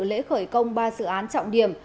lễ khởi công ba dự án trọng điểm